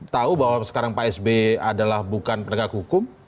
tahu bahwa sekarang pak sby adalah bukan penegak hukum